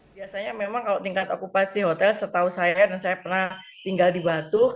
biasanya memang kalau tingkat okupasi hotel setahu saya dan saya pernah tinggal di batu